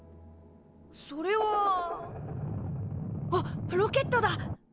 それはあっロケットだ！